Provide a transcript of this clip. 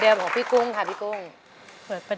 เปลี่ยนเพลงเก่งของคุณและข้ามผิดได้๑คำ